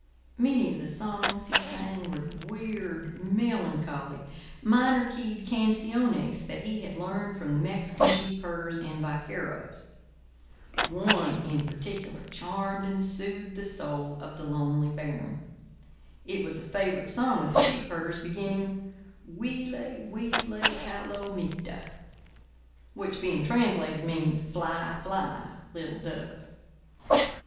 Many of the songs he sang were the weird, melancholy, minor keyed canciones that he had learned from the Mexican sheep herders and vaqueros. One, in particular, charmed and soothed the soul of the lonely baron. It was a favourite song of the sheep herders, beginning: "Huile, huile, palomita," which being translated means, "Fly, fly, little dove."